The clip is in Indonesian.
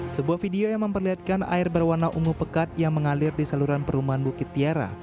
sebuah video yang memperlihatkan air berwarna ungu pekat yang mengalir di saluran perumahan bukit tiara